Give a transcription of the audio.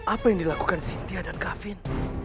apa yang dilakukan cynthia dan gavin